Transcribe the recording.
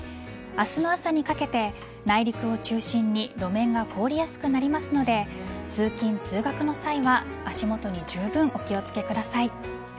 明日の朝にかけて内陸を中心に路面が凍りやすくなりますので通勤、通学の際は足元にじゅうぶんお気をつけください。